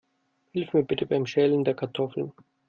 Hilf mir bitte beim Schälen der Kartoffeln.